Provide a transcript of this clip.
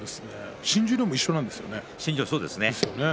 新十両も一緒なんですね。